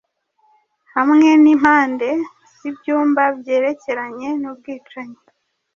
Hamwe nimpande zibyuma byerekeranye nubwicanyi